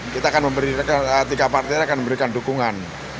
kita akan memberikan tiga partai akan memberikan dukungan